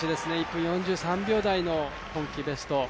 １分４３秒台の今季ベスト。